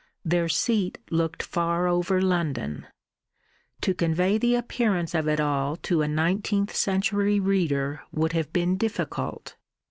Their seat looked far over London. To convey the appearance of it all to a nineteenth century reader would have been difficult.